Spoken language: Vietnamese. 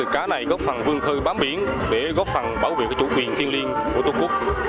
cá này góp phần vương khơi bám biển để góp phần bảo vệ chủ quyền thiên liên của tô cúc